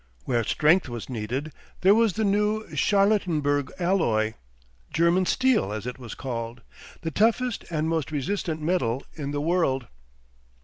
Where strength was needed there was the new Charlottenburg alloy, German steel as it was called, the toughest and most resistant metal in the world.